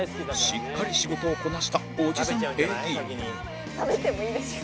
しっかり仕事をこなしたおじさん ＡＤ